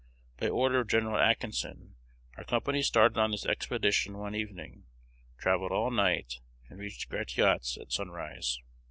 By order of Gen. Atkinson, our company started on this expedition one evening, travelled all night, and reached Gratiot's at sunrise.